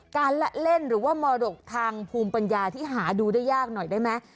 ละเล่นหรือว่ามรดกทางภูมิปัญญาที่หาดูได้ยากหน่อยได้ไหม